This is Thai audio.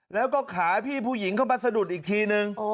แล้วก็ขาพี่ผู้หญิงเข้ามาสะดุดอีกทีนึง